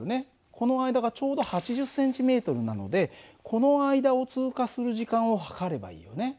この間がちょうど８０ｃｍなのでこの間を通過する時間を測ればいいよね。